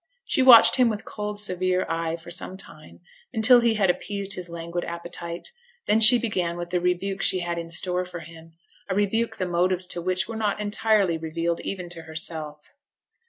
She watched him with cold severe eye for some time, until he had appeased his languid appetite. Then she began with the rebuke she had in store for him; a rebuke the motives to which were not entirely revealed even to herself.